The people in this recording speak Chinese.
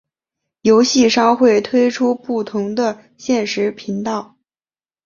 游戏商会推出不同的限时频道。